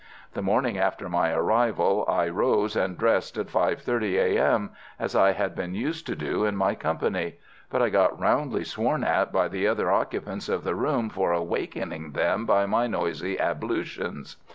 The morning after my arrival I rose and dressed at 5.30 A.M., as I had been used to do in my company; but I got roundly sworn at by the other occupants of the room for awakening them by my noisy ablutions.